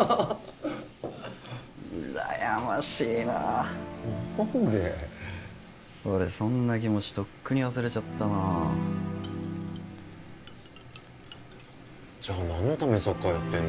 うらやましいななんで俺そんな気持ちとっくに忘れちゃったなじゃあ何のためにサッカーやってんの？